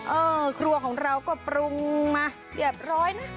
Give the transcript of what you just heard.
เออครัวของเราก็ปรุงมาเรียบร้อยนะ